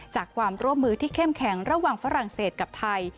จากความร่วมมือที่เข้มแข็งระหว่างฝรั่งเศสกับไทย